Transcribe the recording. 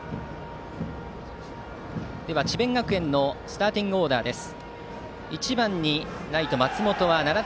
智弁学園のスターティングオーダーです。